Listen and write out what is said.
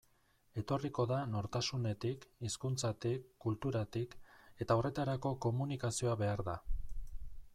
Etorriko da nortasunetik, hizkuntzatik, kulturatik, eta horretarako komunikazioa behar da.